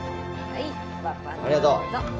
はい。